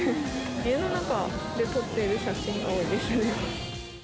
家の中で撮っている写真が多いです。